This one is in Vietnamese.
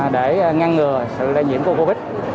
để ngăn ngừa sự lây nhiễm của covid